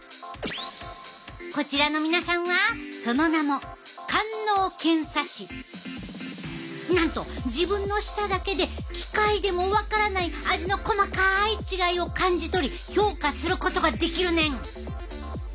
こちらの皆さんはその名もなんと自分の舌だけで機械でも分からない味の細かい違いを感じ取り評価することができるねん。